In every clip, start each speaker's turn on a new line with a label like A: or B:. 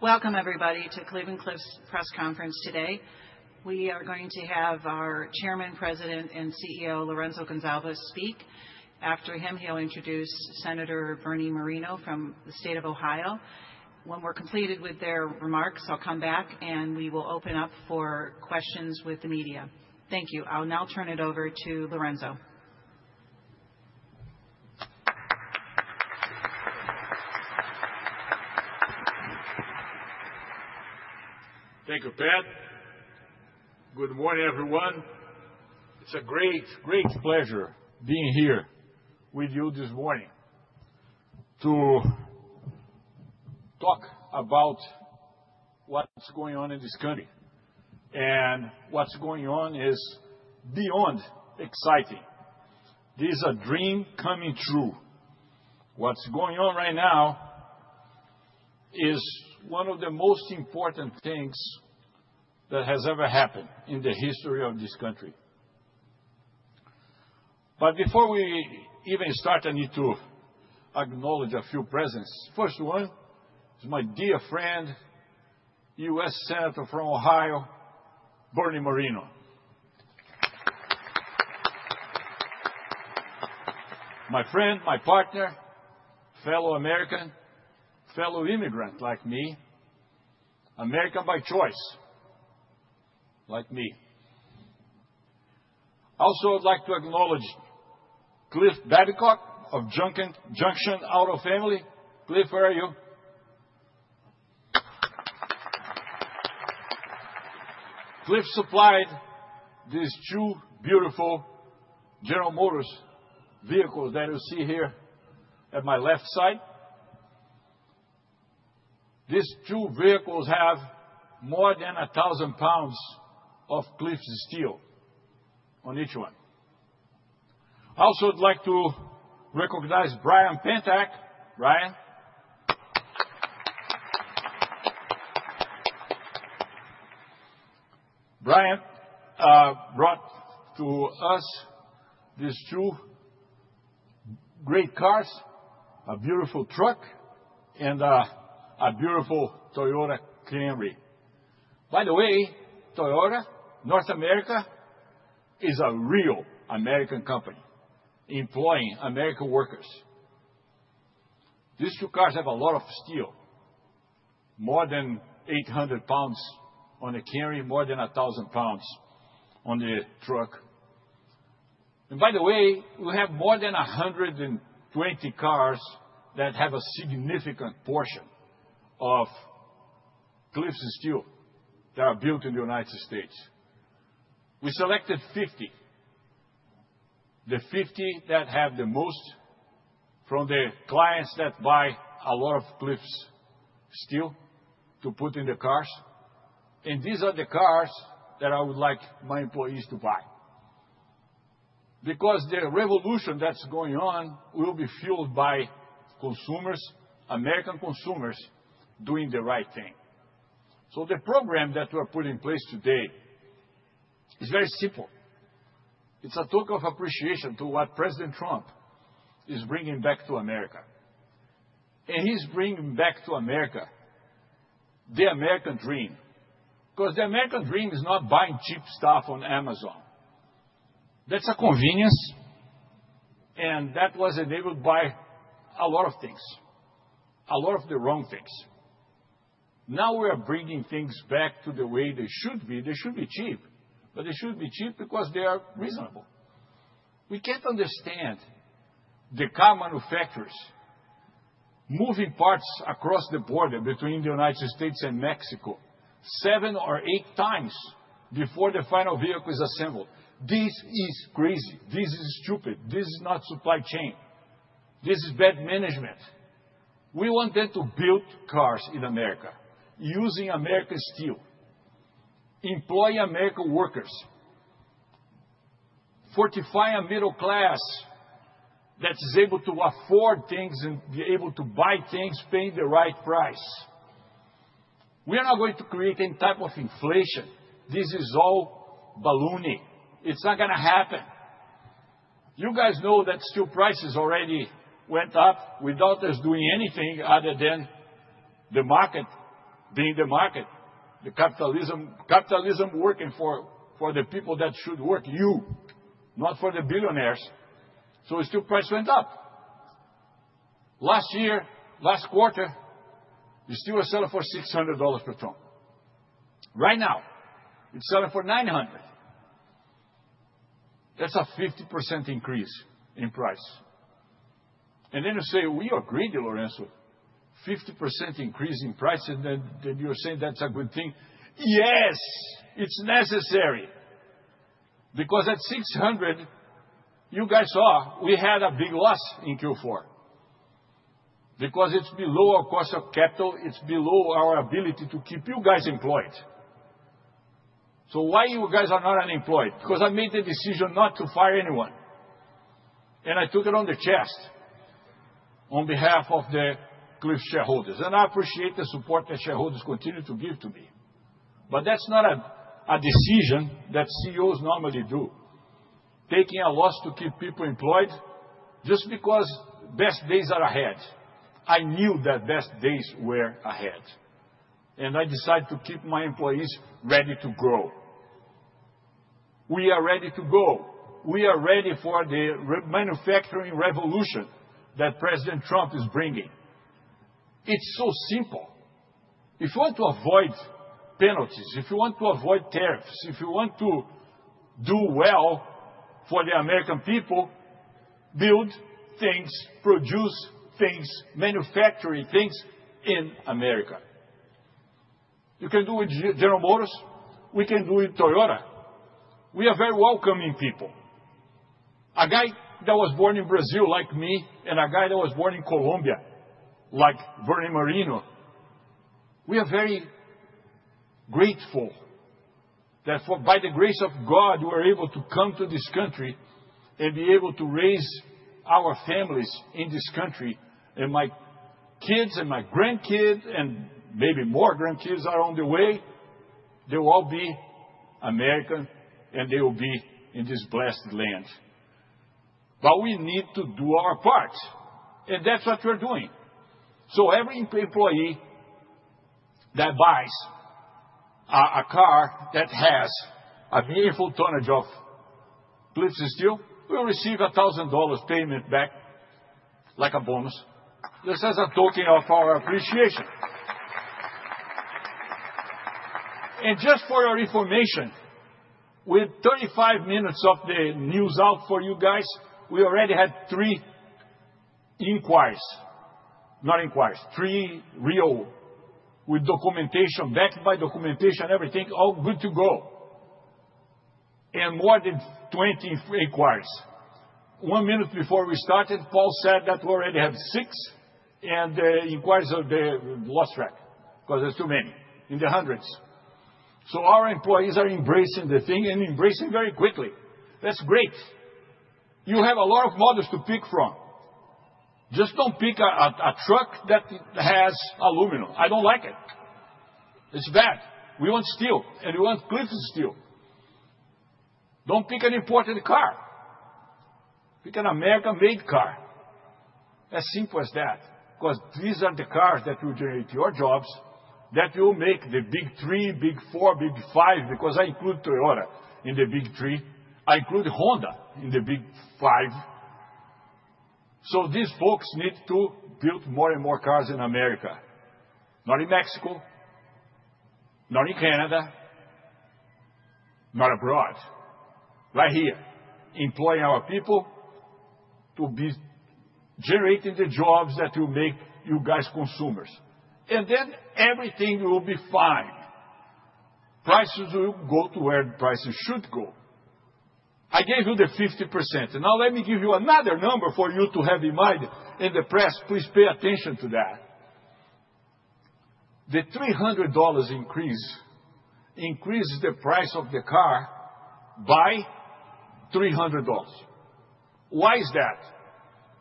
A: Welcome, everybody, to Cleveland-Cliffs' Press Conference today. We are going to have our Chairman, President, and CEO, Lourenco Goncalves, speak. After him, he'll introduce Senator Bernie Moreno from the state of Ohio. When we're completed with their remarks, I'll come back, and we will open up for questions with the media. Thank you. I'll now turn it over to Lourenco.
B: Thank you, Pat. Good morning, everyone. It's a great, great pleasure being here with you this morning to talk about what's going on in this country, and what's going on is beyond exciting. This is a dream coming true. What's going on right now is one of the most important things that has ever happened in the history of this country, but before we even start, I need to acknowledge a few presences. First one is my dear friend, U.S. Senator from Ohio, Bernie Moreno. My friend, my partner, fellow American, fellow immigrant like me, American by choice, like me. Also, I'd like to acknowledge Clifford Babcock of Junction Auto Family. Clifford, where are you? Clifford supplied these two beautiful General Motors vehicles that you see here at my left side. These two vehicles have more than 1,000 lbs of Cliffs' steel on each one. Also, I'd like to recognize Brian Panteck. Brian? Brian brought to us these two great cars, a beautiful truck, and a beautiful Toyota Camry. By the way, Toyota North America is a real American company employing American workers. These two cars have a lot of steel, more than 800 lbs on the Camry, more than 1,000 lbs on the truck, and by the way, we have more than 120 cars that have a significant portion of Cliffs' steel that are built in the United States. We selected 50, the 50 that have the most from the clients that buy a lot of Cliffs' steel to put in the cars, and these are the cars that I would like my employees to buy. Because the revolution that's going on will be fueled by consumers, American consumers, doing the right thing. So the program that we're putting in place today is very simple. It's a token of appreciation to what President Trump is bringing back to America. And he's bringing back to America the American Dream. Because the American Dream is not buying cheap stuff on Amazon. That's a convenience. And that was enabled by a lot of things, a lot of the wrong things. Now we are bringing things back to the way they should be. They should be cheap, but they should be cheap because they are reasonable. We can't understand the car manufacturers moving parts across the border between the United States and Mexico seven or eight times before the final vehicle is assembled. This is crazy. This is stupid. This is not supply chain. This is bad management. We want them to build cars in America using American steel, employ American workers, fortify a middle class that is able to afford things and be able to buy things, pay the right price. We are not going to create any type of inflation. This is all baloney. It's not going to happen. You guys know that steel prices already went up without us doing anything other than the market being the market, the capitalism, capitalism working for the people that should work, you, not for the billionaires. So steel price went up. Last year, last quarter, the steel was selling for $600 per ton. Right now, it's selling for $900. That's a 50% increase in price. And then you say, "We agree, Lourenco, 50% increase in price," and then you're saying that's a good thing. Yes, it's necessary. Because at $600, you guys saw we had a big loss in Q4. Because it's below our cost of capital. It's below our ability to keep you guys employed. So why you guys are not unemployed? Because I made the decision not to fire anyone. And I took it on the chest on behalf of the Cliffs shareholders. And I appreciate the support that shareholders continue to give to me. But that's not a decision that CEOs normally do, taking a loss to keep people employed just because best days are ahead. I knew that best days were ahead. And I decided to keep my employees ready to grow. We are ready to grow. We are ready for the manufacturing revolution that President Trump is bringing. It's so simple. If you want to avoid penalties, if you want to avoid tariffs, if you want to do well for the American people, build things, produce things, manufacture things in America. You can do it with General Motors. We can do it with Toyota. We are very welcoming people. A guy that was born in Brazil like me and a guy that was born in Colombia like Bernie Moreno, we are very grateful that by the grace of God, we're able to come to this country and be able to raise our families in this country, and my kids and my grandkids and maybe more grandkids are on the way. They will all be American, and they will be in this blessed land, but we need to do our part, and that's what we're doing. Every employee that buys a car that has a meaningful tonnage of Cliffs' steel will receive $1,000 payment back like a bonus. This is a token of our appreciation. And just for your information, with 35 minutes of the news out for you guys, we already had three inquiries, not inquiries, three real, with documentation, backed by documentation, everything, all good to go. And more than 20 inquiries. One minute before we started, Paul said that we already have six and the inquiries are lost track because there's too many in the hundreds. So our employees are embracing the thing and embracing very quickly. That's great. You have a lot of models to pick from. Just don't pick a truck that has aluminum. I don't like it. It's bad. We want steel, and we want Cliffs' steel. Don't pick an imported car. Pick an American-made car. As simple as that. Because these are the cars that will generate your jobs, that will make the Big 3, Big 4, Big 5, because I include Toyota in the Big 3. I include Honda in the Big 5. So these folks need to build more and more cars in America, not in Mexico, not in Canada, not abroad. Right here, employing our people to be generating the jobs that will make you guys consumers. And then everything will be fine. Prices will go to where prices should go. I gave you the 50%. And now let me give you another number for you to have in mind in the press. Please pay attention to that. The $300 increase increases the price of the car by $300. Why is that?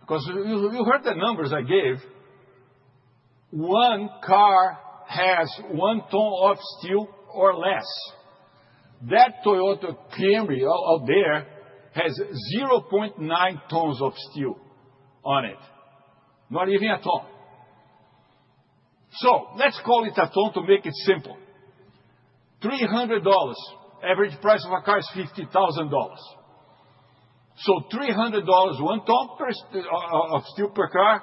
B: Because you heard the numbers I gave. One car has one ton of steel or less. That Toyota Camry out there has 0.9 tons of steel on it, not even a ton. So let's call it a ton to make it simple. $300, average price of a car is $50,000. So $300 one ton of steel per car,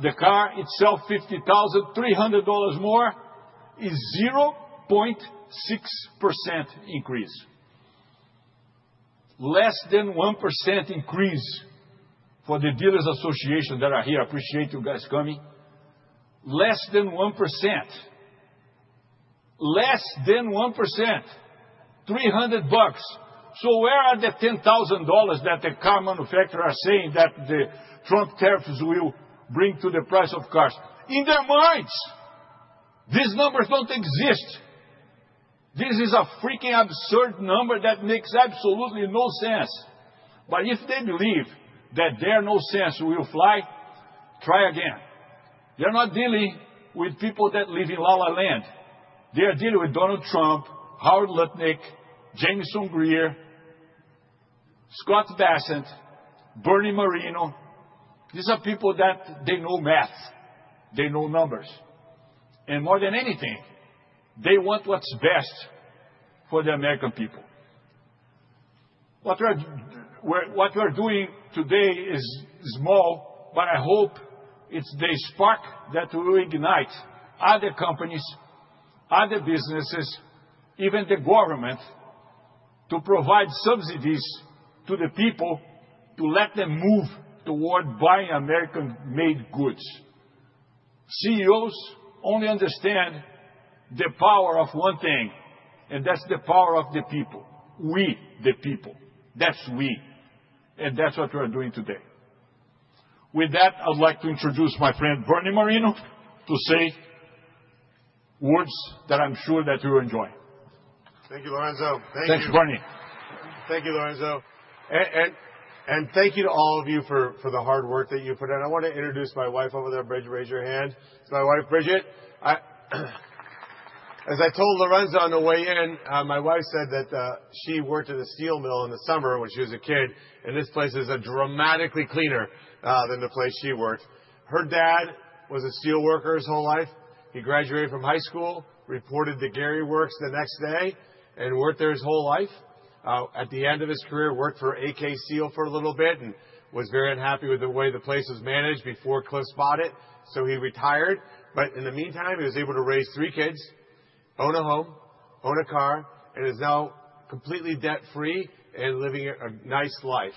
B: the car itself, $50,000, $300 more is 0.6% increase. Less than 1% increase for the dealers' association that are here. I appreciate you guys coming. Less than 1%. Less than 1%, $300 bucks. So where are the $10,000 that the car manufacturers are saying that the Trump tariffs will bring to the price of cars? In their minds. These numbers don't exist. This is a freaking absurd number that makes absolutely no sense. But if they believe that their nonsense will fly, try again. They're not dealing with people that live in la-la land. They are dealing with Donald Trump, Howard Lutnick, Jamieson Greer, Scott Bessent, Bernie Moreno. These are people that they know math. They know numbers. And more than anything, they want what's best for the American people. What we are doing today is small, but I hope it's the spark that will ignite other companies, other businesses, even the government, to provide subsidies to the people to let them move toward buying American-made goods. CEOs only understand the power of one thing, and that's the power of the people. We, the people. That's we. And that's what we're doing today. With that, I'd like to introduce my friend Bernie Moreno to say words that I'm sure that you'll enjoy.
C: Thank you, Lourenco. Thank you.
B: Thank you, Bernie.
C: Thank you, Lourenco, and thank you to all of you for the hard work that you put in. I want to introduce my wife over there. Bridget, raise your hand. It's my wife, Bridget. As I told Lourenco on the way in, my wife said that she worked at a steel mill in the summer when she was a kid, and this place is dramatically cleaner than the place she worked. Her dad was a steelworker his whole life. He graduated from high school, reported to Gary Works the next day, and worked there his whole life. At the end of his career, worked for AK Steel for a little bit and was very unhappy with the way the place was managed before Cliffs bought it, so he retired. But in the meantime, he was able to raise three kids, own a home, own a car, and is now completely debt-free and living a nice life.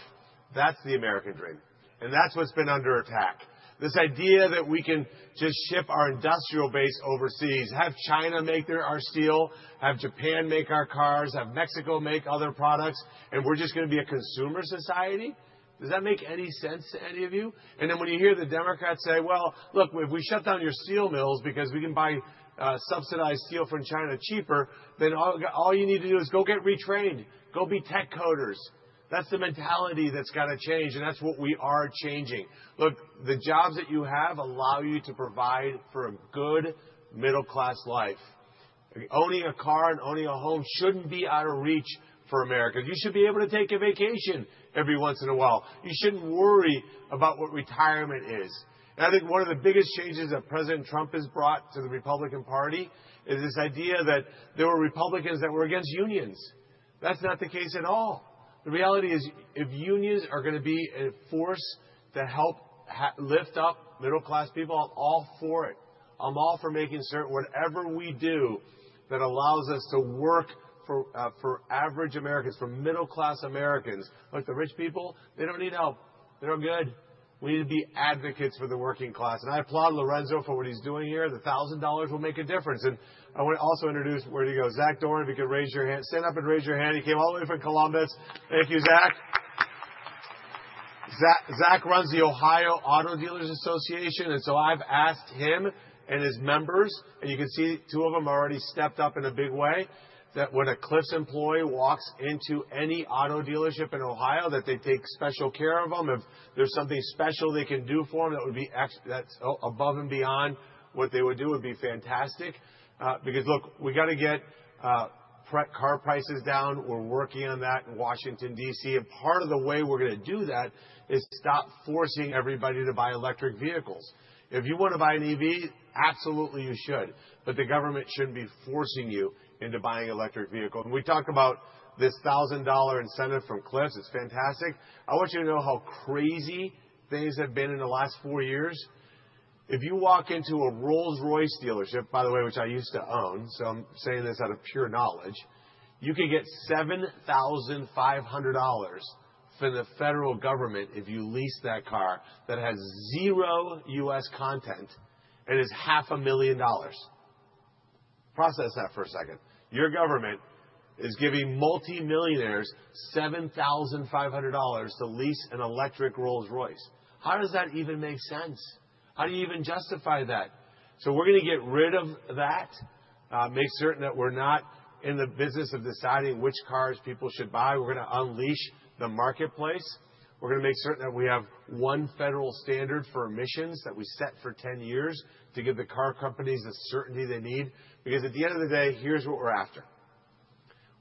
C: That's the American dream. And that's what's been under attack. This idea that we can just ship our industrial base overseas, have China make our steel, have Japan make our cars, have Mexico make other products, and we're just going to be a consumer society, does that make any sense to any of you? And then when you hear the Democrats say, "Well, look, if we shut down your steel mills because we can buy subsidized steel from China cheaper, then all you need to do is go get retrained. Go be tech coders." That's the mentality that's got to change, and that's what we are changing. Look, the jobs that you have allow you to provide for a good middle-class life. Owning a car and owning a home shouldn't be out of reach for Americans. You should be able to take a vacation every once in a while. You shouldn't worry about what retirement is, and I think one of the biggest changes that President Trump has brought to the Republican Party is this idea that there were Republicans that were against unions. That's not the case at all. The reality is, if unions are going to be a force to help lift up middle-class people, I'm all for it. I'm all for making certain whatever we do that allows us to work for average Americans, for middle-class Americans. Look, the rich people, they don't need help. They're all good. We need to be advocates for the working class, and I applaud Lourenco for what he's doing here. The $1,000 will make a difference. I want to also introduce where do you go, Zach Doran, if you could raise your hand. Stand up and raise your hand. He came all the way from Columbus. Thank you, Zach. Zach runs the Ohio Auto Dealers Association. So I've asked him and his members, and you can see two of them already stepped up in a big way, that when a Cliffs employee walks into any auto dealership in Ohio, that they take special care of them. If there's something special they can do for them that would be above and beyond what they would do, it would be fantastic. Because look, we got to get car prices down. We're working on that in Washington, D.C. Part of the way we're going to do that is stop forcing everybody to buy electric vehicles. If you want to buy an EV, absolutely you should. But the government shouldn't be forcing you into buying electric vehicles. And we talked about this $1,000 incentive from Cliffs. It's fantastic. I want you to know how crazy things have been in the last four years. If you walk into a Rolls-Royce dealership, by the way, which I used to own, so I'm saying this out of pure knowledge, you can get $7,500 from the federal government if you lease that car that has zero U.S. content and is $500,000. Process that for a second. Your government is giving multi-millionaires $7,500 to lease an electric Rolls-Royce. How does that even make sense? How do you even justify that? So we're going to get rid of that, make certain that we're not in the business of deciding which cars people should buy. We're going to unleash the marketplace. We're going to make certain that we have one federal standard for emissions that we set for 10 years to give the car companies the certainty they need. Because at the end of the day, here's what we're after.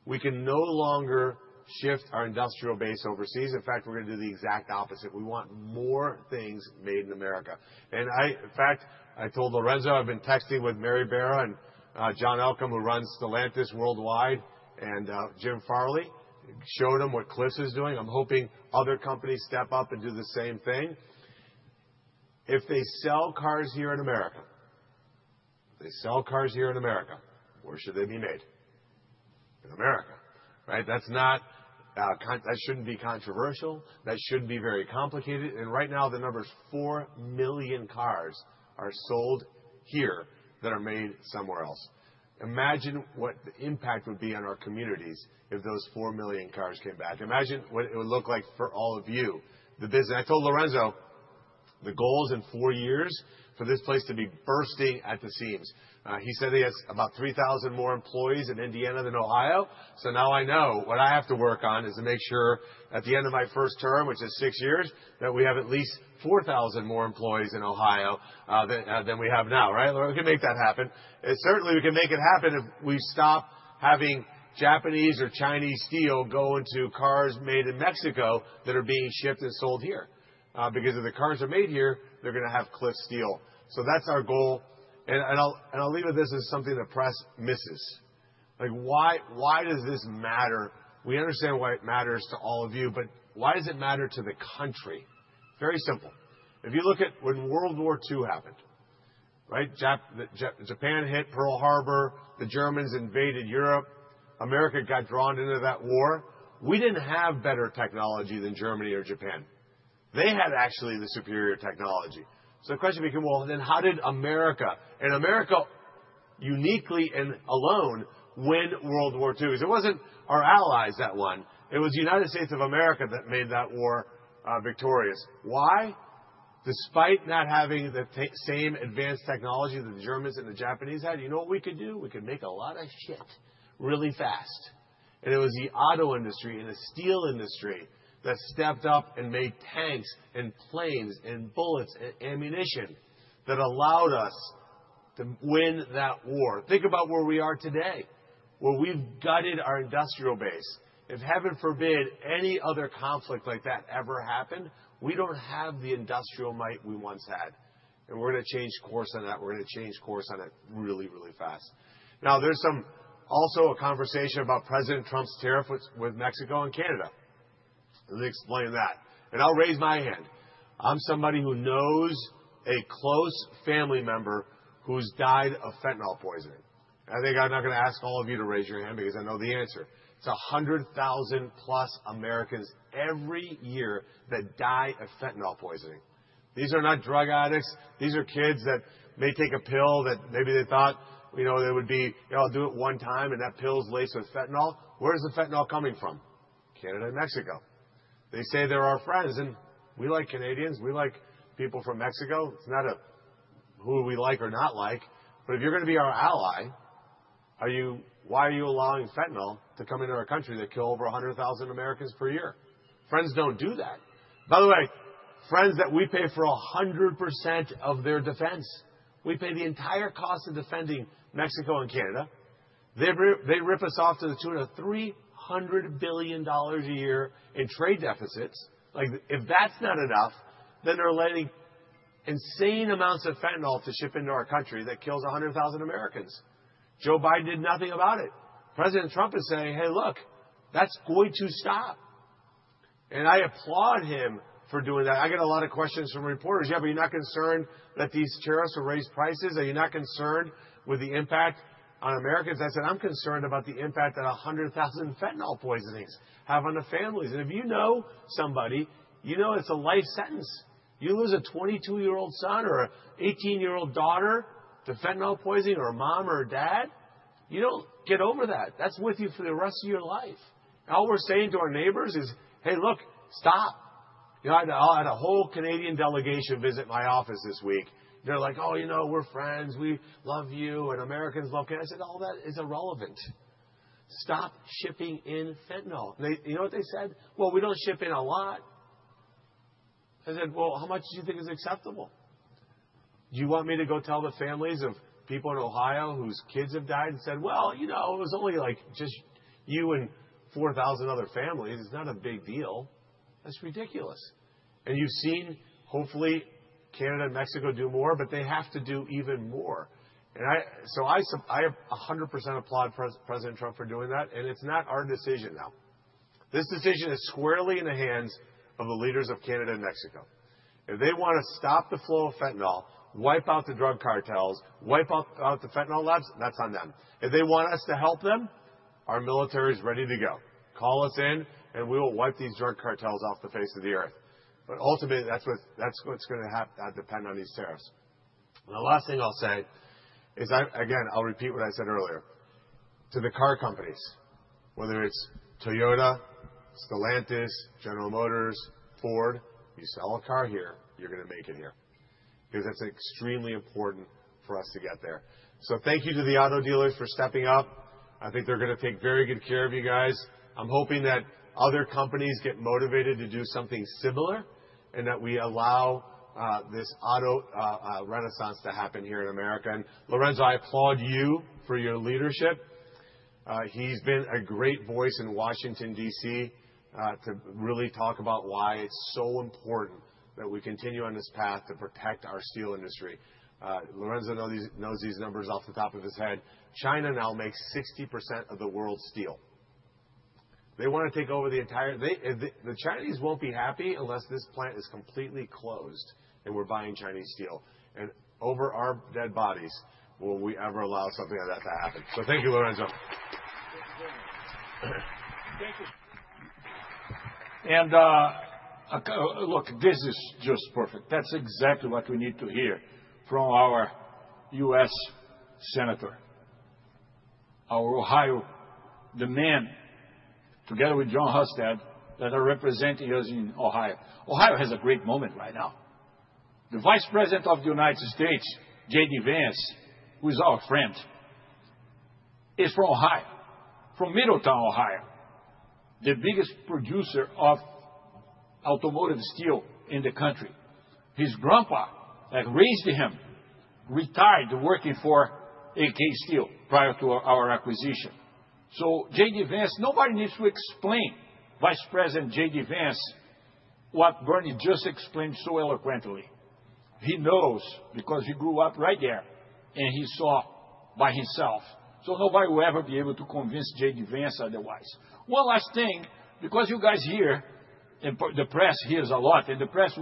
C: We can no longer shift our industrial base overseas. In fact, we're going to do the exact opposite. We want more things made in America. And in fact, I told Lourenco, I've been texting with Mary Barra and John Elkann, who runs Stellantis worldwide, and Jim Farley. Showed him what Cliffs is doing. I'm hoping other companies step up and do the same thing. If they sell cars here in America, if they sell cars here in America, where should they be made? In America. Right? That shouldn't be controversial. That shouldn't be very complicated. And right now, the number is four million cars are sold here that are made somewhere else. Imagine what the impact would be on our communities if those four million cars came back. Imagine what it would look like for all of you, the business. I told Lourenco, the goal is in four years for this place to be bursting at the seams. He said he has about 3,000 more employees in Indiana than Ohio. So now I know what I have to work on is to make sure at the end of my first term, which is six years, that we have at least 4,000 more employees in Ohio than we have now. Right? We can make that happen. Certainly, we can make it happen if we stop having Japanese or Chinese steel go into cars made in Mexico that are being shipped and sold here. Because if the cars are made here, they're going to have Cliffs' steel. So that's our goal, and I'll leave with this as something the press misses. Why does this matter? We understand why it matters to all of you, but why does it matter to the country? Very simple. If you look at when World War II happened, right? Japan hit Pearl Harbor. The Germans invaded Europe. America got drawn into that war. We didn't have better technology than Germany or Japan. They had actually the superior technology. So the question became, well, then how did America and America uniquely and alone win World War II? Because it wasn't our allies that won. It was the United States of America that made that war victorious. Why? Despite not having the same advanced technology that the Germans and the Japanese had, you know what we could do? We could make a lot of shit really fast, and it was the auto industry and the steel industry that stepped up and made tanks and planes and bullets and ammunition that allowed us to win that war. Think about where we are today, where we've gutted our industrial base. If heaven forbid any other conflict like that ever happened, we don't have the industrial might we once had, and we're going to change course on that. We're going to change course on it really, really fast. Now, there's also a conversation about President Trump's tariffs with Mexico and Canada. Let me explain that, and I'll raise my hand. I'm somebody who knows a close family member who's died of fentanyl poisoning, and I think I'm not going to ask all of you to raise your hand because I know the answer. It's 100,000+ Americans every year that die of fentanyl poisoning. These are not drug addicts. These are kids that may take a pill that maybe they thought they would be, "I'll do it one time," and that pill's laced with fentanyl. Where is the fentanyl coming from? Canada and Mexico. They say they're our friends. And we like Canadians. We like people from Mexico. It's not who we like or not like. But if you're going to be our ally, why are you allowing fentanyl to come into our country that kills over 100,000 Americans per year? Friends don't do that. By the way, friends that we pay for 100% of their defense, we pay the entire cost of defending Mexico and Canada. They rip us off to the tune of $300 billion a year in trade deficits. If that's not enough, then they're letting insane amounts of fentanyl ship into our country that kills 100,000 Americans. Joe Biden did nothing about it. President Trump is saying, "Hey, look, that's going to stop." And I applaud him for doing that. I get a lot of questions from reporters. "Yeah, but you're not concerned that these tariffs will raise prices? Are you not concerned with the impact on Americans?" I said, "I'm concerned about the impact that 100,000 fentanyl poisonings have on the families." And if you know somebody, you know it's a life sentence. You lose a 22-year-old son or an 18-year-old daughter to fentanyl poisoning or a mom or a dad, you don't get over that. That's with you for the rest of your life. All we're saying to our neighbors is, "Hey, look, stop." I had a whole Canadian delegation visit my office this week. They're like, "Oh, you know we're friends. We love you. And Americans love Canada." I said, "All that is irrelevant. Stop shipping in fentanyl." You know what they said? "Well, we don't ship in a lot." I said, "Well, how much do you think is acceptable?" Do you want me to go tell the families of people in Ohio whose kids have died and said, "Well, you know it was only just you and 4,000 other families. It's not a big deal." That's ridiculous. And you've seen, hopefully, Canada and Mexico do more, but they have to do even more. And so I 100% applaud President Trump for doing that. And it's not our decision now. This decision is squarely in the hands of the leaders of Canada and Mexico. If they want to stop the flow of fentanyl, wipe out the drug cartels, wipe out the fentanyl labs, that's on them. If they want us to help them, our military is ready to go. Call us in, and we will wipe these drug cartels off the face of the earth. But ultimately, that's what's going to depend on these tariffs. And the last thing I'll say is, again, I'll repeat what I said earlier. To the car companies, whether it's Toyota, Stellantis, General Motors, Ford, you sell a car here, you're going to make it here. Because it's extremely important for us to get there. So thank you to the auto dealers for stepping up. I think they're going to take very good care of you guys. I'm hoping that other companies get motivated to do something similar and that we allow this auto renaissance to happen here in America. And Lourenco, I applaud you for your leadership. He's been a great voice in Washington, D.C., to really talk about why it's so important that we continue on this path to protect our steel industry. Lourenco knows these numbers off the top of his head. China now makes 60% of the world's steel. They want to take over the entire. The Chinese won't be happy unless this plant is completely closed and we're buying Chinese steel. And over our dead bodies, will we ever allow something like that to happen? So thank you, Lourenco.
B: Thank you. And look, this is just perfect. That's exactly what we need to hear from our U.S. Senator, our Ohio man, together with Jon Husted, that are representing us in Ohio. Ohio has a great moment right now. The Vice President of the United States, J.D. Vance, who is our friend, is from Ohio, from Middletown, Ohio, the biggest producer of automotive steel in the country. His grandpa that raised him retired working for AK Steel prior to our acquisition. So J.D. Vance, nobody needs to explain Vice President J.D. Vance what Bernie just explained so eloquently. He knows because he grew up right there and he saw by himself. So nobody will ever be able to convince J.D. Vance otherwise. One last thing, because you guys hear and the press hears a lot, and the press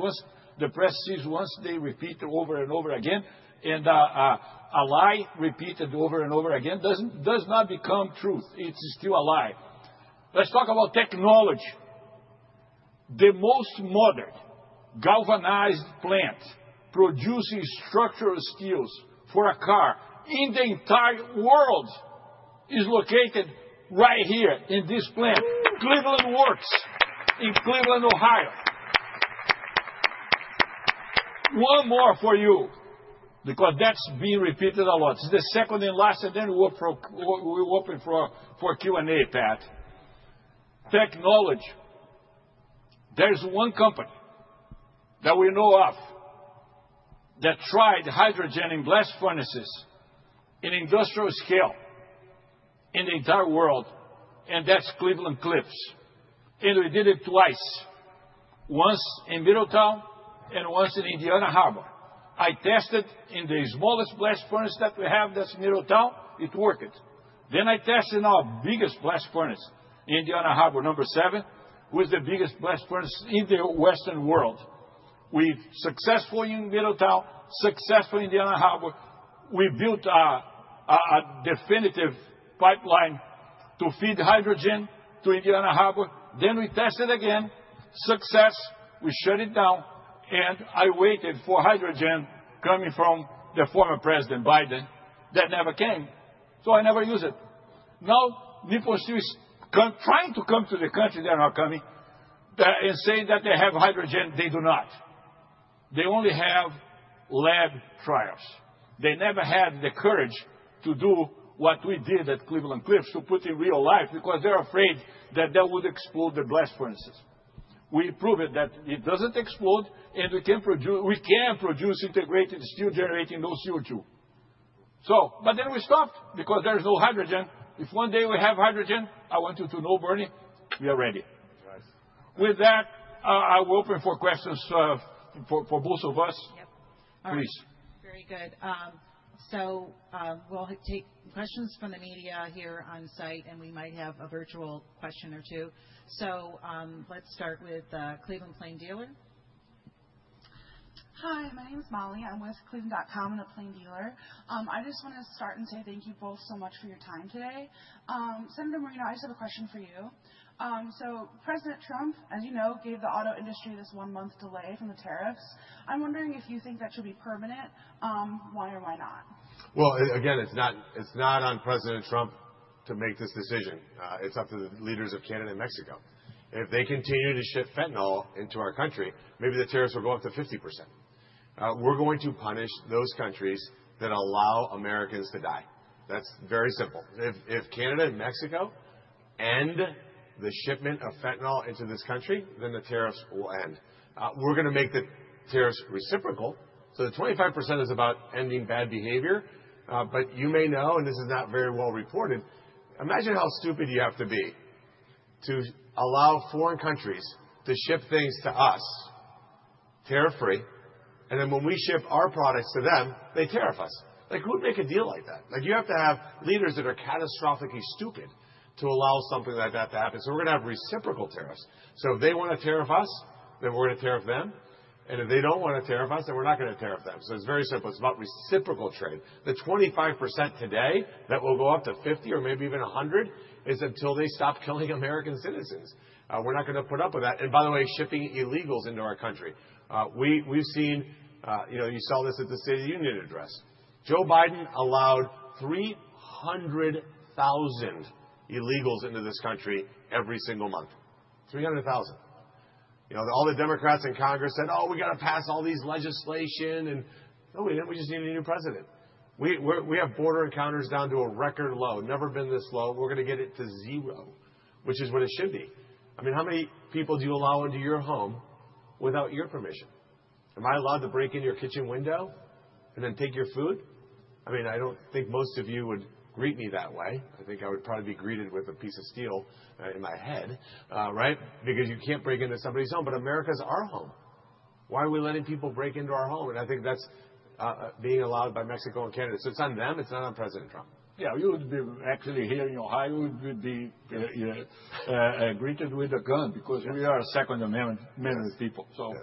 B: sees once they repeat over and over again, and a lie repeated over and over again does not become truth. It's still a lie. Let's talk about technology. The most modern galvanized plant producing structural steels for a car in the entire world is located right here in this plant, Cleveland Works in Cleveland, Ohio. One more for you, because that's been repeated a lot. It's the second and last, and then we're open for Q&A, Pat. Technology. There's one company that we know of that tried hydrogen and blast furnaces in industrial scale in the entire world, and that's Cleveland-Cliffs. And they did it twice. Once in Middletown and once in Indiana Harbor. I tested in the smallest blast furnace that we have that's in Middletown. It worked. Then I tested in our biggest blast furnace in Indiana Harbor, number seven, which is the biggest blast furnace in the Western world. We've successfully in Middletown, successfully in Indiana Harbor. We built a definitive pipeline to feed hydrogen to Indiana Harbor. Then we tested again. Success. We shut it down and I waited for hydrogen coming from the former President Biden that never came, so I never used it. Now, Nippon Steel is trying to come to the country. They're not coming and say that they have hydrogen, they do not. They only have lab trials. They never had the courage to do what we did at Cleveland-Cliffs to put in real life because they're afraid that that would explode the blast furnaces. We proved that it doesn't explode, and we can produce integrated steel generating no CO2, but then we stopped because there's no hydrogen. If one day we have hydrogen, I want you to know, Bernie, we are ready. With that, I'm open for questions for both of us. Yep. Please. Very good, so we'll take questions from the media here on site, and we might have a virtual question or two.
A: So let's start with the Cleveland Plain Dealer.
D: Hi. My name is Molly. I'm with cleveland.com and the Plain Dealer. I just want to start and say thank you both so much for your time today. Senator Moreno, I just have a question for you. So President Trump, as you know, gave the auto industry this one-month delay from the tariffs. I'm wondering if you think that should be permanent. Why or why not?
C: Well, again, it's not on President Trump to make this decision. It's up to the leaders of Canada and Mexico. If they continue to ship fentanyl into our country, maybe the tariffs will go up to 50%. We're going to punish those countries that allow Americans to die. That's very simple. If Canada and Mexico end the shipment of fentanyl into this country, then the tariffs will end. We're going to make the tariffs reciprocal. So the 25% is about ending bad behavior. But you may know, and this is not very well reported, imagine how stupid you have to be to allow foreign countries to ship things to us tariff-free. And then when we ship our products to them, they tariff us. Who would make a deal like that? You have to have leaders that are catastrophically stupid to allow something like that to happen. So we're going to have reciprocal tariffs. So if they want to tariff us, then we're going to tariff them. And if they don't want to tariff us, then we're not going to tariff them. So it's very simple. It's about reciprocal trade. The 25% today that will go up to 50% or maybe even 100% is until they stop killing American citizens. We're not going to put up with that. And by the way, shipping illegals into our country. You saw this at the State of the Union address. Joe Biden allowed 300,000 illegals into this country every single month. 300,000. All the Democrats in Congress said, "Oh, we got to pass all these legislation." And no, we didn't. We just need a new president. We have border encounters down to a record low. Never been this low. We're going to get it to zero, which is what it should be. I mean, how many people do you allow into your home without your permission? Am I allowed to break in your kitchen window and then take your food? I mean, I don't think most of you would greet me that way. I think I would probably be greeted with a piece of steel in my head, right? Because you can't break into somebody's home. But America's our home. Why are we letting people break into our home? And I think that's being allowed by Mexico and Canada. So it's on them. It's not on President Trump. Yeah, you would be actually here in Ohio, you would be greeted with a gun because we are a Second Amendment people. So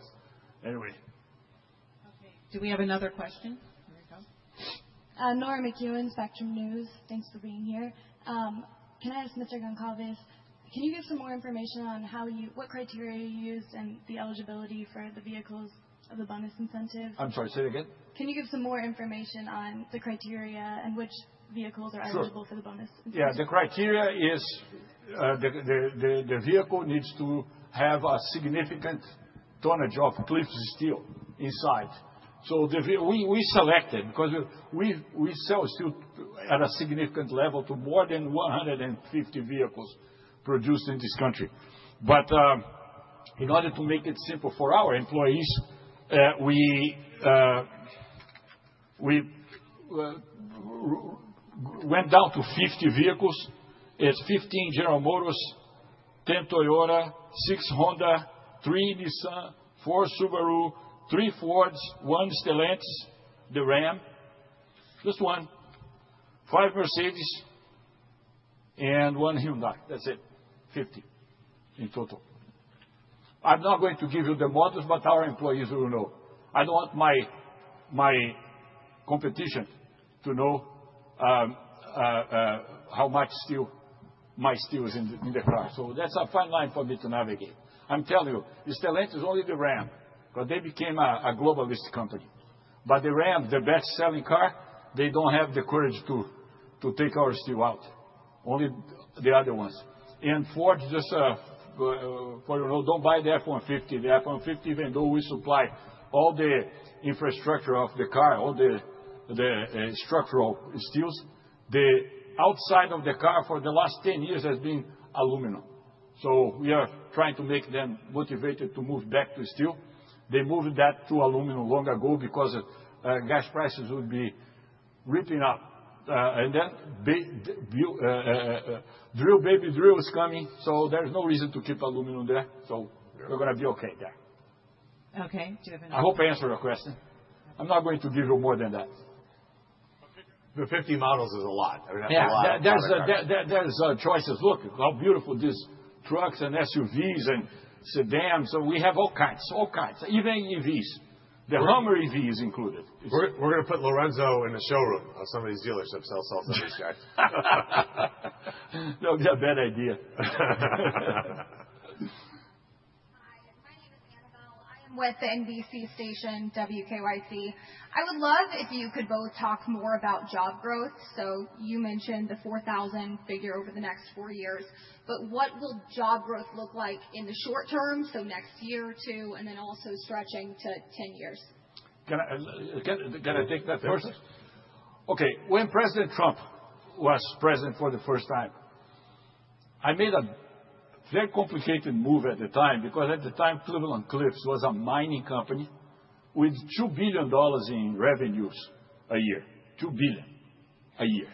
C: anyway.
A: Okay. Do we have another question? Here we go.
E: Nora McKeown, Spectrum News. Thanks for being here. Can I ask Mr. Goncalves, can you give some more information on what criteria you used and the eligibility for the vehicles of the bonus incentive?
B: I'm sorry. Say it again.
E: Can you give some more information on the criteria and which vehicles are eligible for the bonus incentive?
B: Yeah. The criteria is the vehicle needs to have a significant tonnage of Cliffs steel inside. So we selected because we sell steel at a significant level to more than 150 vehicles produced in this country. But in order to make it simple for our employees, we went down to 50 vehicles. It's 15 General Motors, 10 Toyota, six Honda, three Nissan, four Subaru, three Fords, one Stellantis, the RAM, just one, five Mercedes, and one Hyundai. That's it. 50 in total. I'm not going to give you the models, but our employees will know. I don't want my competition to know how much steel, my steel, is in the car. So that's a fine line for me to navigate. I'm telling you, the Stellantis is only the RAM because they became a globalist company. But the RAM, the best-selling car, they don't have the courage to take our steel out. Only the other ones. And Ford, just for your note, don't buy the F-150. The F-150, even though we supply all the infrastructure of the car, all the structural steels, the outside of the car for the last 10 years has been aluminum. So we are trying to make them motivated to move back to steel. They moved that to aluminum long ago because gas prices would be ripping up, and then drill, baby drill is coming. So there's no reason to keep aluminum there. So we're going to be okay there.
A: Okay. Do you have another question?
B: I hope I answered your question. I'm not going to give you more than that.
C: The 50 models is a lot. I mean, that's a lot.
B: Yeah. There's choices. Look how beautiful these trucks and SUVs and sedans. So we have all kinds, all kinds, even EVs. The Hummer EV is included.
C: We're going to put Lourenco in the showroom of some of these dealerships that'll sell some of these guys.
B: No, they're a bad idea.
F: Hi. My name is Annabelle. I am with the NBC station, WKYC. I would love if you could both talk more about job growth. So you mentioned the 4,000 figure over the next four years. But what will job growth look like in the short term, so next year or two, and then also stretching to 10 years?
B: Can I take that first? Okay. When President Trump was president for the first time, I made a very complicated move at the time because at the time, Cleveland-Cliffs was a mining company with $2 billion in revenues a year, $2 billion a year.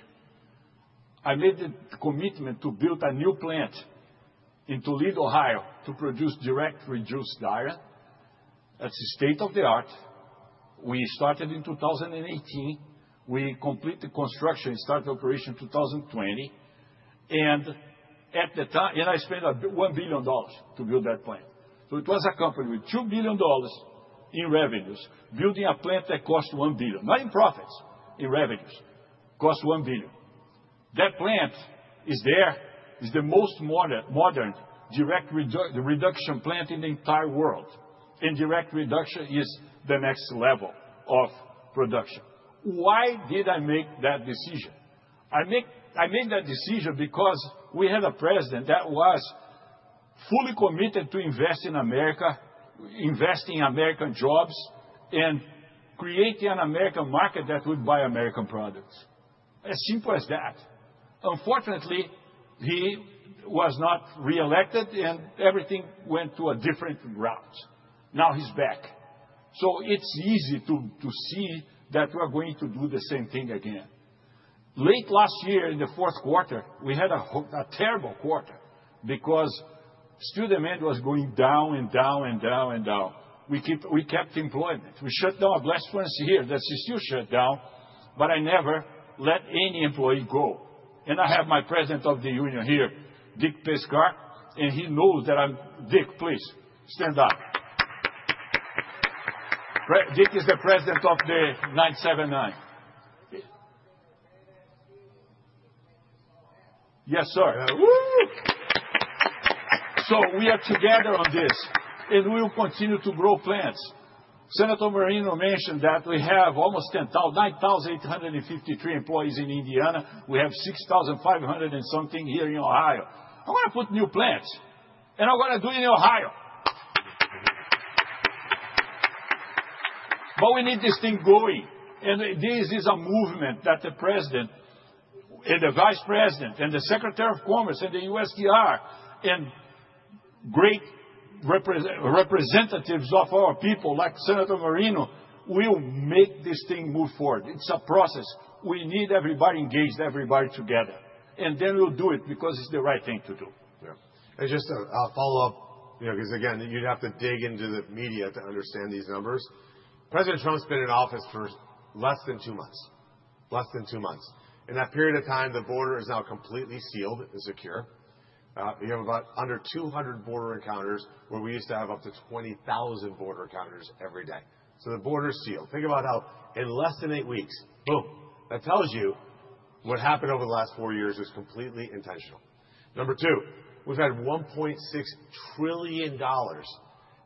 B: I made the commitment to build a new plant in Toledo, Ohio, to produce direct reduced iron. That's state-of-the-art. We started in 2018. We completed construction and started operation in 2020. And I spent $1 billion to build that plant. So it was a company with $2 billion in revenues, building a plant that costs $1 billion, not in profits, in revenues. Costs $1 billion. That plant is there. It's the most modern direct reduction plant in the entire world. And direct reduction is the next level of production. Why did I make that decision? I made that decision because we had a president that was fully committed to investing in America, investing in American jobs, and creating an American market that would buy American products. As simple as that. Unfortunately, he was not reelected, and everything went to a different route. Now he's back. So it's easy to see that we're going to do the same thing again. Late last year, in the fourth quarter, we had a terrible quarter because steel demand was going down and down and down and down. We kept employment. We shut down a blast furnace here. That's a steel shutdown, but I never let any employee go, and I have my president of the union here, Dick Pecsar, and he knows that I'm Dick. Please, stand up. Dick is the president of the 979. Yes, sir, so we are together on this, and we will continue to grow plants. Senator Moreno mentioned that we have almost 9,853 employees in Indiana. We have 6,500 and something here in Ohio. I want to put new plants, and I want to do it in Ohio, but we need this thing going. This is a movement that the President and the Vice President and the Secretary of Commerce and the USTR and great representatives of our people, like Senator Moreno, will make this thing move forward. It's a process. We need everybody engaged, everybody together. And then we'll do it because it's the right thing to do.
C: Yeah. And just a follow-up, because again, you'd have to dig into the media to understand these numbers. President Trump's been in office for less than two months, less than two months. In that period of time, the border is now completely sealed and secure. You have about under 200 border encounters where we used to have up to 20,000 border encounters every day. So the border's sealed. Think about how in less than eight weeks, boom. That tells you what happened over the last four years was completely intentional. Number two, we've had $1.6 trillion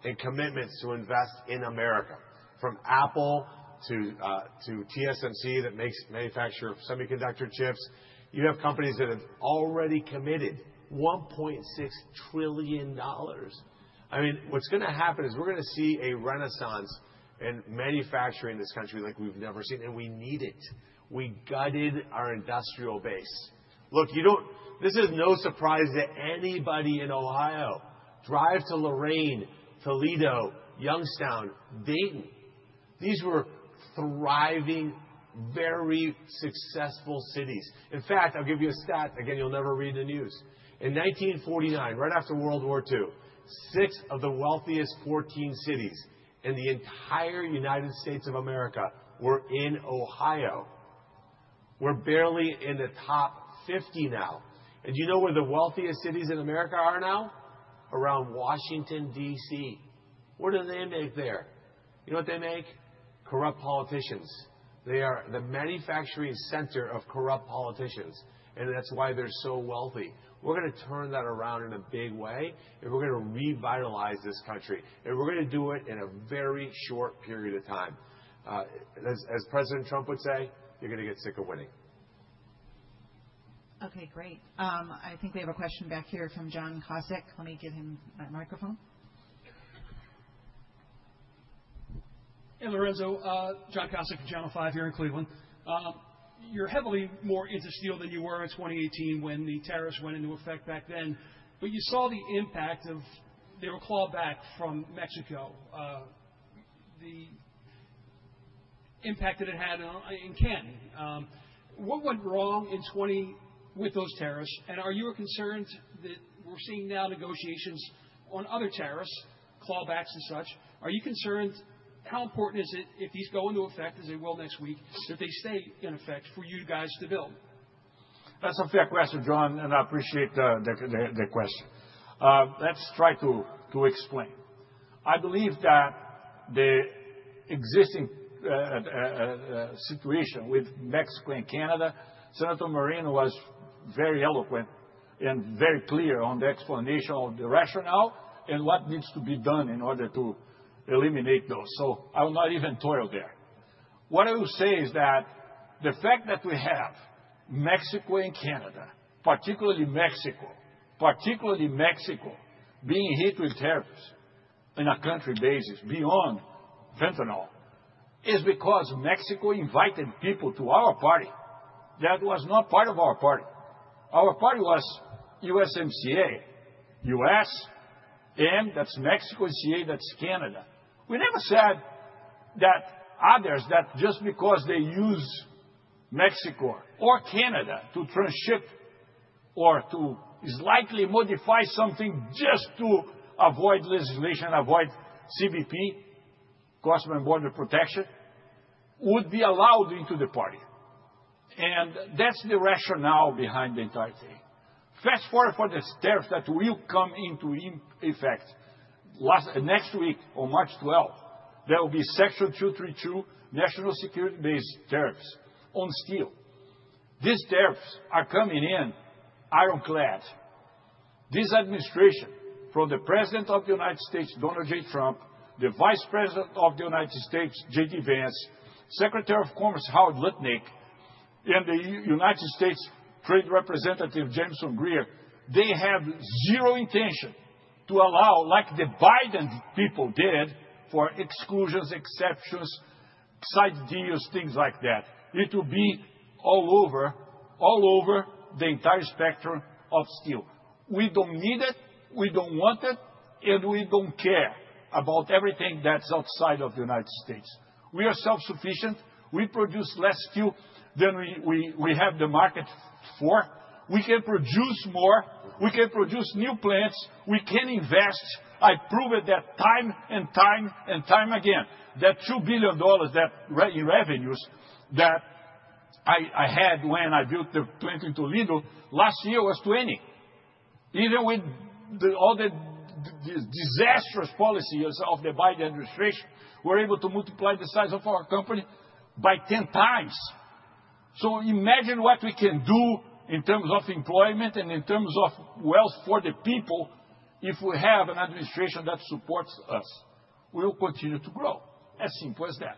C: in commitments to invest in America, from Apple to TSMC that makes manufacturer of semiconductor chips. You have companies that have already committed $1.6 trillion. I mean, what's going to happen is we're going to see a renaissance in manufacturing in this country like we've never seen, and we need it. We gutted our industrial base. Look, this is no surprise to anybody in Ohio. Drive to Lorain, Toledo, Youngstown, Dayton. These were thriving, very successful cities. In fact, I'll give you a stat. Again, you'll never read the news. In 1949, right after World War II, six of the wealthiest 14 cities in the entire United States of America were in Ohio. We're barely in the top 50 now, and do you know where the wealthiest cities in America are now? Around Washington, D.C. What do they make there? You know what they make? Corrupt politicians. They are the manufacturing center of corrupt politicians, and that's why they're so wealthy. We're going to turn that around in a big way, and we're going to revitalize this country, and we're going to do it in a very short period of time. As President Trump would say, you're going to get sick of winning.
A: Okay. Great. I think we have a question back here from John Kosich. Let me give him my microphone.
G: Hey, Lourenco. John Kosich from Channel 5 here in Cleveland. You're heavily more into steel than you were in 2018 when the tariffs went into effect back then. But you saw the impact of there were clawbacks from Mexico, the impact that it had in Canton. What went wrong with those tariffs? And are you concerned that we're seeing now negotiations on other tariffs, clawbacks and such? Are you concerned how important is it if these go into effect, as they will next week, if they stay in effect for you guys to build?
B: That's a fair question, John. And I appreciate the question. Let's try to explain. I believe that the existing situation with Mexico and Canada. Senator Moreno was very eloquent and very clear on the explanation of the rationale and what needs to be done in order to eliminate those. So I will not even dwell there. What I will say is that the fact that we have Mexico and Canada, particularly Mexico, particularly Mexico, being hit with tariffs on a country basis beyond fentanyl is because Mexico invited people to our party that was not part of our party. Our party was USMCA, U.S., M, that's Mexico, and CA, that's Canada. We never said that others that just because they use Mexico or Canada to transship or to likely modify something just to avoid legislation, avoid CBP, Customs and Border Protection, would be allowed into the party, and that's the rationale behind the entire thing. Fast forward for the tariffs that will come into effect next week on March 12, there will be Section 232 National Security Based Tariffs on steel. These tariffs are coming in ironclad. This administration, from the President of the United States, Donald J. Trump, the Vice President of the United States, J.D. Vance, Secretary of Commerce, Howard Lutnick, and the United States Trade Representative, Jamieson Greer, they have zero intention to allow, like the Biden people did, for exclusions, exceptions, side deals, things like that. It will be all over, all over the entire spectrum of steel. We don't need it. We don't want it. And we don't care about everything that's outside of the United States. We are self-sufficient. We produce less steel than we have the market for. We can produce more. We can produce new plants. We can invest. I prove it that time and time and time again, that $2 billion in revenues that I had when I built the plant in Toledo last year was 20. Even with all the disastrous policies of the Biden administration, we're able to multiply the size of our company by 10x. So imagine what we can do in terms of employment and in terms of wealth for the people if we have an administration that supports us. We will continue to grow. As simple as that.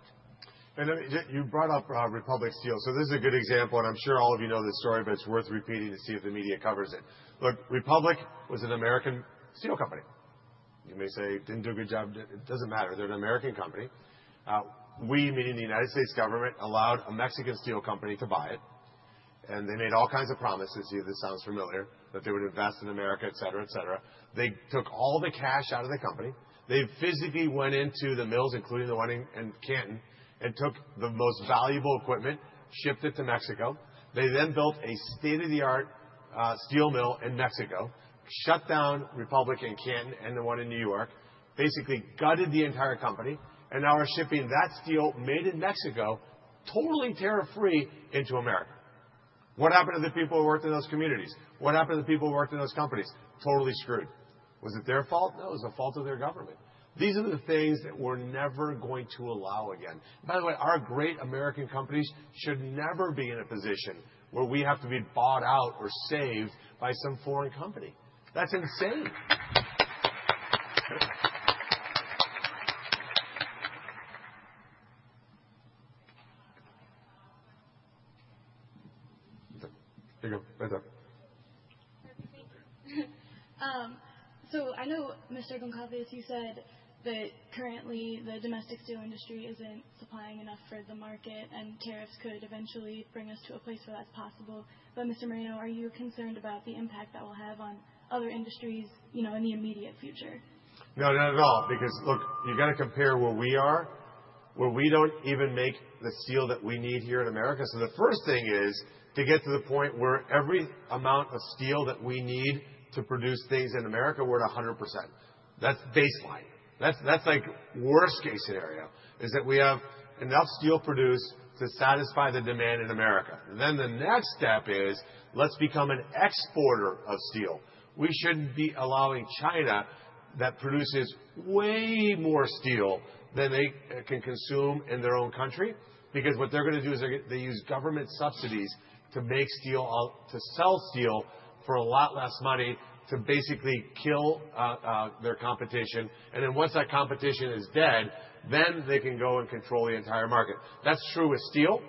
C: And you brought up Republic Steel. So this is a good example. I'm sure all of you know this story, but it's worth repeating to see if the media covers it. Look, Republic Steel was an American steel company. You may say it didn't do a good job. It doesn't matter. They're an American company. We, meaning the United States government, allowed a Mexican steel company to buy it, and they made all kinds of promises. You know, this sounds familiar, that they would invest in America, et cetera, et cetera. They took all the cash out of the company. They physically went into the mills, including the one in Canton, and took the most valuable equipment, shipped it to Mexico. They then built a state-of-the-art steel mill in Mexico, shut down Republic Steel in Canton and the one in New York, basically gutted the entire company, and now we're shipping that steel made in Mexico, totally tariff-free, into America. What happened to the people who worked in those communities? What happened to the people who worked in those companies? Totally screwed. Was it their fault? No. It was the fault of their government. These are the things that we're never going to allow again. By the way, our great American companies should never be in a position where we have to be bought out or saved by some foreign company. That's insane.
G: Thank you. Right there. Perfect. Thank you.
E: So I know, Mr. Goncalves, you said that currently the domestic steel industry isn't supplying enough for the market, and tariffs could eventually bring us to a place where that's possible. But Mr. Moreno, are you concerned about the impact that will have on other industries in the immediate future?
C: No, not at all. Because look, you got to compare where we are, where we don't even make the steel that we need here in America. So the first thing is to get to the point where every amount of steel that we need to produce things in America were at 100%. That's baseline. That's like worst-case scenario, is that we have enough steel produced to satisfy the demand in America. Then the next step is let's become an exporter of steel. We shouldn't be allowing China that produces way more steel than they can consume in their own country. Because what they're going to do is they use government subsidies to make steel, to sell steel for a lot less money to basically kill their competition. And then once that competition is dead, then they can go and control the entire market. That's true with steel.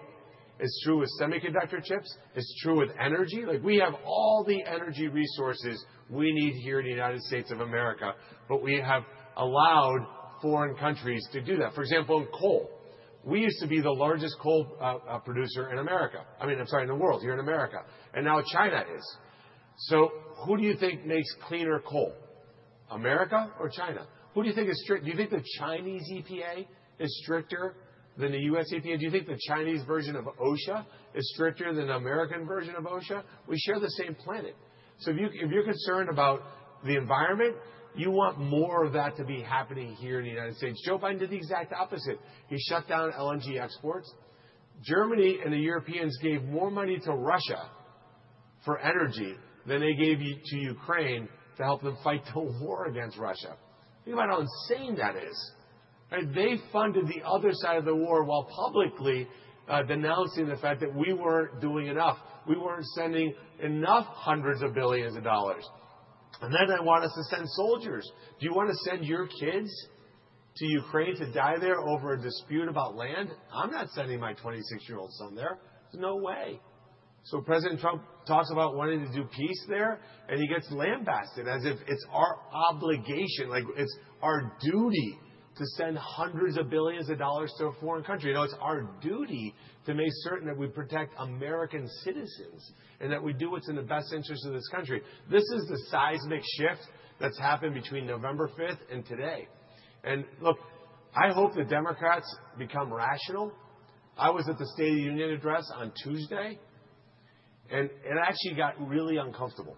C: It's true with semiconductor chips. It's true with energy. We have all the energy resources we need here in the United States of America. But we have allowed foreign countries to do that. For example, in coal, we used to be the largest coal producer in America. I mean, I'm sorry, in the world, here in America, and now China is. So who do you think makes cleaner coal? America or China? Who do you think is strict? Do you think the Chinese EPA is stricter than the U.S. EPA? Do you think the Chinese version of OSHA is stricter than the American version of OSHA? We share the same planet. So if you're concerned about the environment, you want more of that to be happening here in the United States. Joe Biden did the exact opposite. He shut down LNG exports. Germany and the Europeans gave more money to Russia for energy than they gave to Ukraine to help them fight the war against Russia. Think about how insane that is. They funded the other side of the war while publicly denouncing the fact that we weren't doing enough. We weren't sending enough hundreds of billions of dollars. And then they want us to send soldiers. Do you want to send your kids to Ukraine to die there over a dispute about land? I'm not sending my 26-year-old son there. There's no way. So President Trump talks about wanting to do peace there, and he gets lambasted as if it's our obligation, like it's our duty to send hundreds of billions of dollars to a foreign country. No, it's our duty to make certain that we protect American citizens and that we do what's in the best interest of this country. This is the seismic shift that's happened between November 5th and today. And look, I hope the Democrats become rational. I was at the State of the Union address on Tuesday, and it actually got really uncomfortable.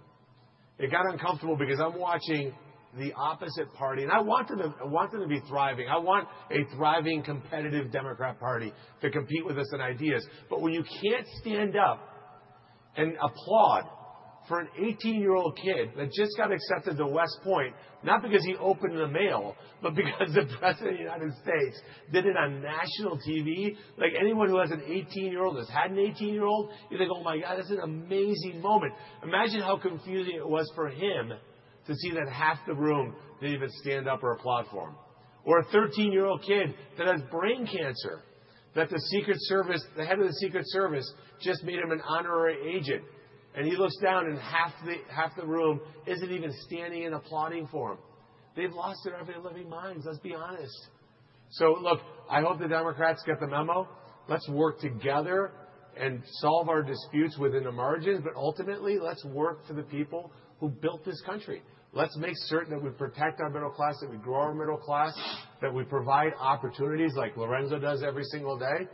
C: It got uncomfortable because I'm watching the opposite party. And I want them to be thriving. I want a thriving, competitive Democrat party to compete with us in ideas. But when you can't stand up and applaud for an 18-year-old kid that just got accepted to West Point, not because he opened the mail, but because the president of the United States did it on national TV, like anyone who has an 18-year-old has had an 18-year-old, you think, "Oh my God, that's an amazing moment." Imagine how confusing it was for him to see that half the room didn't even stand up or applaud for him. Or a 13-year-old kid that has brain cancer that the Secret Service, the head of the Secret Service, just made him an honorary agent. And he looks down, and half the room isn't even standing and applauding for him. They've lost their ever-loving minds, let's be honest. So look, I hope the Democrats get the memo. Let's work together and solve our disputes within the margins. But ultimately, let's work for the people who built this country. Let's make certain that we protect our middle class, that we grow our middle class, that we provide opportunities like Lorenzo does every single day.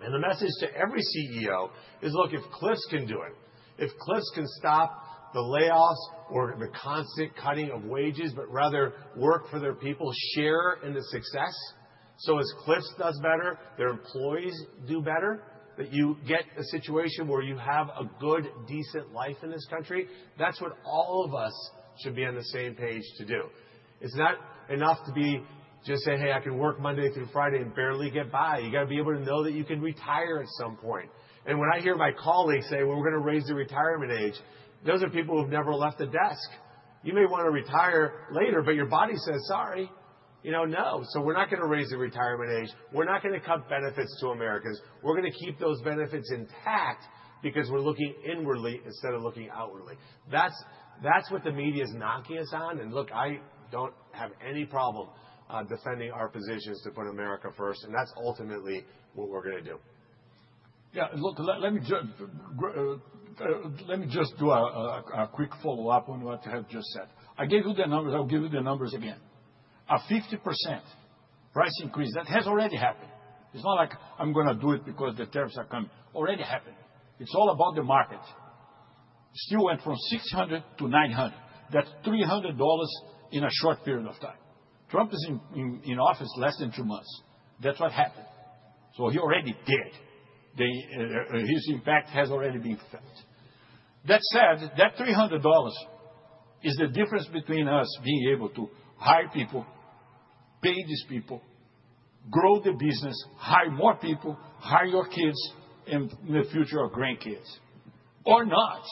C: And the message to every CEO is, "Look, if Cliffs can do it, if Cliffs can stop the layoffs or the constant cutting of wages, but rather work for their people, share in the success, so as Cliffs does better, their employees do better, that you get a situation where you have a good, decent life in this country." That's what all of us should be on the same page to do. It's not enough to just say, "Hey, I can work Monday through Friday and barely get by." You got to be able to know that you can retire at some point. And when I hear my colleagues say, "We're going to raise the retirement age," those are people who've never left the desk. You may want to retire later, but your body says, "Sorry." You know, no. So we're not going to raise the retirement age. We're not going to cut benefits to Americans. We're going to keep those benefits intact because we're looking inwardly instead of looking outwardly. That's what the media is knocking us on. And look, I don't have any problem defending our positions to put America first. And that's ultimately what we're going to do. Yeah. Look, let me just do a quick follow-up on what you have just said. I gave you the numbers. I'll give you the numbers again. A 50% price increase, that has already happened. It's not like I'm going to do it because the tariffs are coming. Already happened. It's all about the market. Steel went from $600-$900. That's $300 in a short period of time. Trump is in office less than two months. That's what happened. So he already did. His impact has already been felt. That said, that $300 is the difference between us being able to hire people, pay these people, grow the business, hire more people, hire your kids, and in the future, our grandkids. Or not.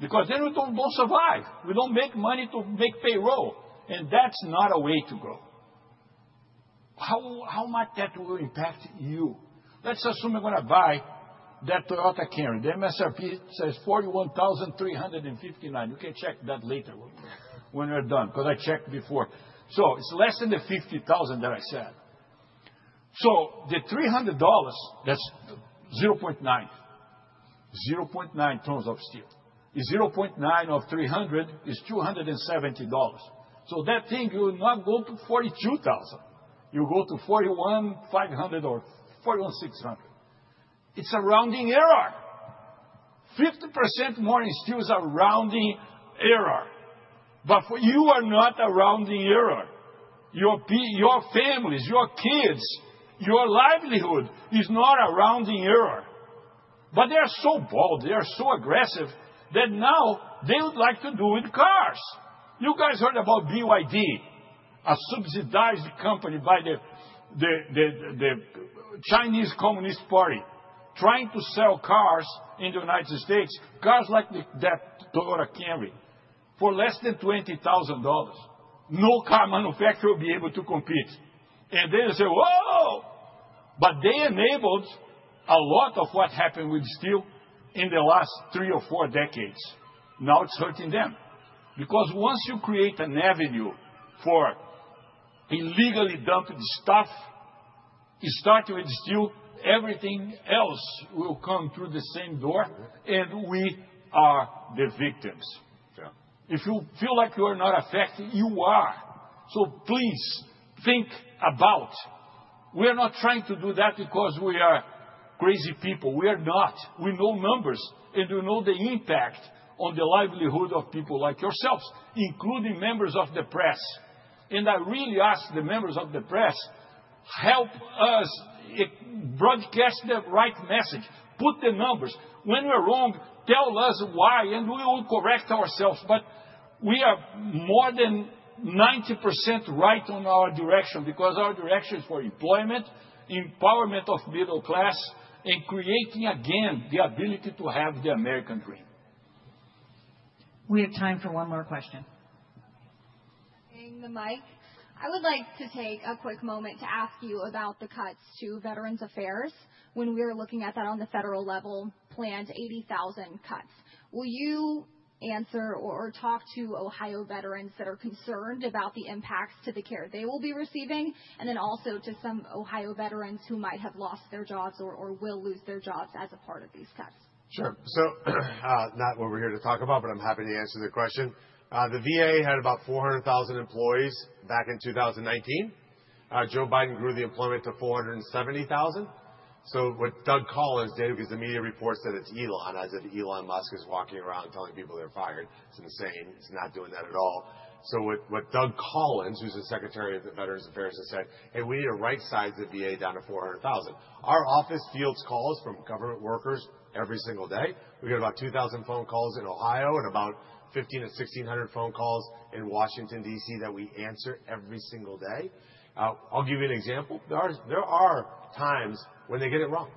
C: Because then we don't survive. We don't make money to make payroll. And that's not a way to grow. How much that will impact you? Let's assume I'm going to buy that Toyota Camry. The MSRP says $41,359. You can check that later when we're done because I checked before. So it's less than the $50,000 that I said. So the $300, that's 0.9. 0.9 tons of steel. 0.9 of 300 is $270. So that thing will not go to $42,000. It will go to $41,500 or $41,600. It's a rounding error. 50% more in steel is a rounding error. But you are not a rounding error. Your families, your kids, your livelihood is not a rounding error. But they are so bold. They are so aggressive that now they would like to do it with cars. You guys heard about BYD, a subsidized company by the Chinese Communist Party trying to sell cars in the United States, cars like that Toyota Camry, for less than $20,000. No car manufacturer will be able to compete. And then they say, "Whoa." But they enabled a lot of what happened with steel in the last three or four decades. Now it's hurting them. Because once you create an avenue for illegally dumped stuff, starting with steel, everything else will come through the same door. And we are the victims. If you feel like you are not affected, you are. So please think about we are not trying to do that because we are crazy people. We are not. We know numbers. And we know the impact on the livelihood of people like yourselves, including members of the press. And I really ask the members of the press, help us broadcast the right message. Put the numbers. When we're wrong, tell us why. And we will correct ourselves. But we are more than 90% right on our direction because our direction is for employment, empowerment of middle class, and creating again the ability to have the American Dream.
A: We have time for one more question.
D: Passing the mic, I would like to take a quick moment to ask you about the cuts to Veterans Affairs. When we are looking at that on the federal level, planned 80,000 cuts. Will you answer or talk to Ohio veterans that are concerned about the impacts to the care they will be receiving? And then also to some Ohio veterans who might have lost their jobs or will lose their jobs as a part of these cuts?
C: Sure. So not what we're here to talk about, but I'm happy to answer the question. The VA had about 400,000 employees back in 2019. Joe Biden grew the employment to 470,000. So what Doug Collins did, because the media reports that it's Elon, as if Elon Musk is walking around telling people they're fired, it's insane. He's not doing that at all. So what Doug Collins, who's the Secretary of Veterans Affairs, has said, "Hey, we need to right-size the VA down to 400,000." Our office fields calls from government workers every single day. We get about 2,000 phone calls in Ohio and about 1,500 to 1,600 phone calls in Washington, D.C., that we answer every single day. I'll give you an example. There are times when they get it wrong.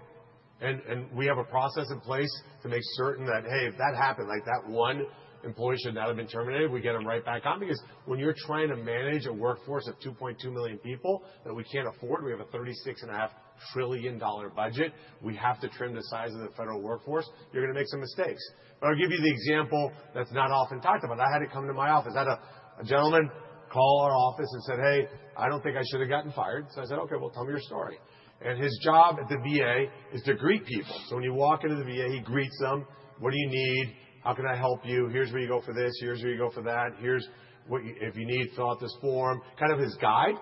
C: And we have a process in place to make certain that, hey, if that happened, like that one employee should not have been terminated, we get them right back on. Because when you're trying to manage a workforce of 2.2 million people that we can't afford, we have a $36.5 trillion budget. We have to trim the size of the federal workforce. You're going to make some mistakes. But I'll give you the example that's not often talked about. I had it come to my office. I had a gentleman call our office and said, "Hey, I don't think I should have gotten fired." So I said, "Okay, well, tell me your story." And his job at the VA is to greet people. So when you walk into the VA, he greets them. "What do you need? How can I help you? Here's where you go for this. Here's where you go for that. Here's what you need. Fill out this form." Kind of his guide,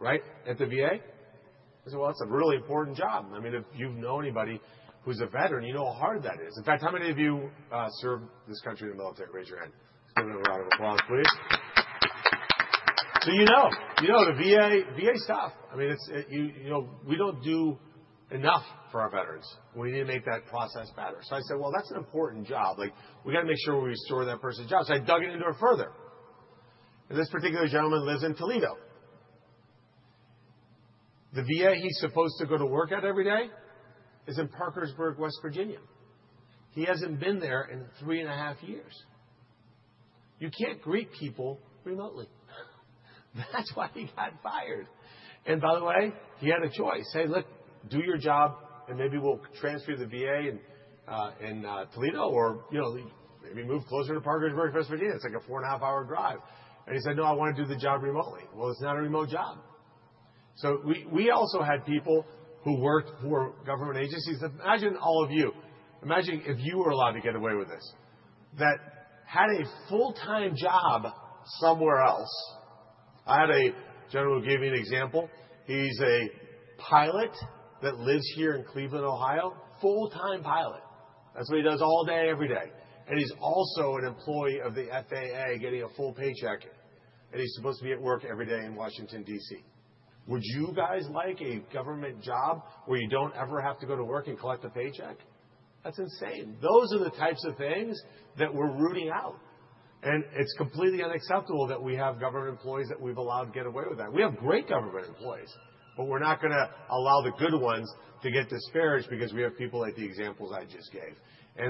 C: right, at the VA. I said, "Well, it's a really important job." I mean, if you've known anybody who's a veteran, you know how hard that is. In fact, how many of you served this country in the military? Raise your hand. Give them a round of applause, please. So you know the VA stuff. I mean, we don't do enough for our veterans. We need to make that process better. So I said, "Well, that's an important job. We got to make sure we restore that person's job." So I dug into it further. This particular gentleman lives in Toledo. The VA he's supposed to go to work at every day is in Parkersburg, West Virginia. He hasn't been there in three and a half years. You can't greet people remotely. That's why he got fired. And by the way, he had a choice. "Hey, look, do your job, and maybe we'll transfer you to the VA in Toledo or maybe move closer to Parkersburg, West Virginia. It's like a four and a half hour drive." And he said, "No, I want to do the job remotely." Well, it's not a remote job. So we also had people who worked for government agencies. Imagine all of you. Imagine if you were allowed to get away with this. That had a full-time job somewhere else. I had a gentleman who gave me an example. He's a pilot that lives here in Cleveland, Ohio, full-time pilot. That's what he does all day, every day. And he's also an employee of the FAA getting a full paycheck. He's supposed to be at work every day in Washington, D.C. Would you guys like a government job where you don't ever have to go to work and collect a paycheck? That's insane. Those are the types of things that we're rooting out. It's completely unacceptable that we have government employees that we've allowed to get away with that. We have great government employees, but we're not going to allow the good ones to get disparaged because we have people like the examples I just gave.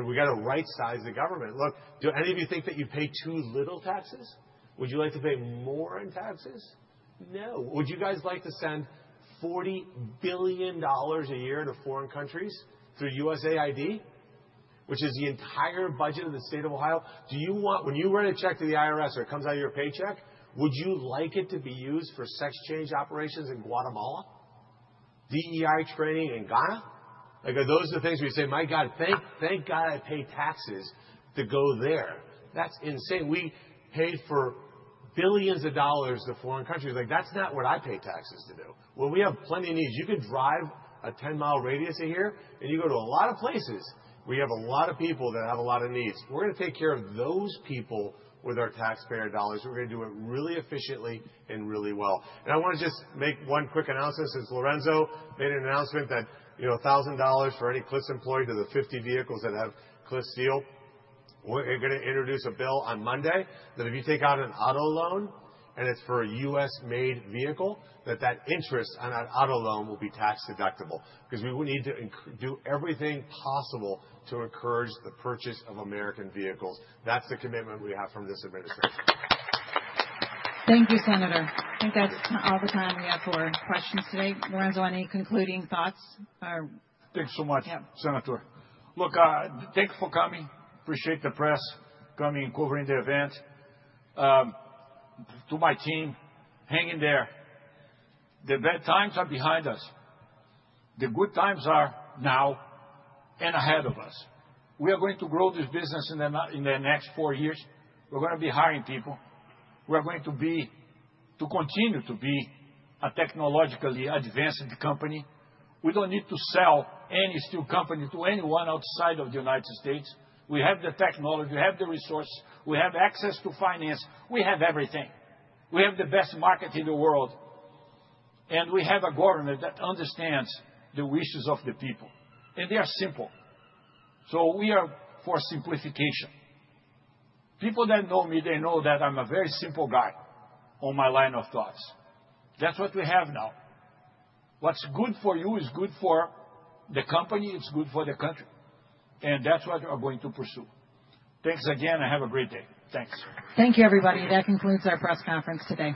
C: We got to right-size the government. Look, do any of you think that you pay too little taxes? Would you like to pay more in taxes? No. Would you guys like to send $40 billion a year to foreign countries through USAID, which is the entire budget of the state of Ohio? Do you want, when you write a check to the IRS or it comes out of your paycheck, would you like it to be used for sex change operations in Guatemala, DEI training in Ghana? Are those the things we say, "My God, thank God I pay taxes to go there?" That's insane. We paid for billions of dollars to foreign countries. That's not what I pay taxes to do. We have plenty of needs. You can drive a 10-mile radius a year, and you go to a lot of places where you have a lot of needs. We're going to take care of those people with our taxpayer dollars. We're going to do it really efficiently and really well. I want to just make one quick announcement. Since Lourenco made an announcement that $1,000 for any Cliffs employees of the 50 vehicles that have Cliffs steel, we're going to introduce a bill on Monday that if you take out an auto loan and it's for a U.S.-made vehicle, that that interest on that auto loan will be tax-deductible. Because we would need to do everything possible to encourage the purchase of American vehicles. That's the commitment we have from this administration.
A: Thank you, Senator. I think that's all the time we have for questions today. Lourenco, any concluding thoughts?
B: Thanks so much. Look, thank you for coming. Appreciate the press coming and covering the event. To my team, hang in there. The bad times are behind us. The good times are now and ahead of us. We are going to grow this business in the next four years. We're going to be hiring people. We're going to continue to be a technologically advanced company. We don't need to sell any steel company to anyone outside of the United States. We have the technology. We have the resources. We have access to finance. We have everything. We have the best market in the world. And we have a government that understands the wishes of the people. And they are simple. So we are for simplification. People that know me, they know that I'm a very simple guy on my line of thought. That's what we have now. What's good for you is good for the company. It's good for the country. And that's what we're going to pursue. Thanks again. And have a great day. Thanks.
A: Thank you, everybody. That concludes our press conference today.